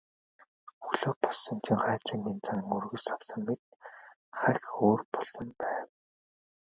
Өглөө болсон чинь Хайнзангийн зан өргөс авсан мэт хахь өөр болсон байв.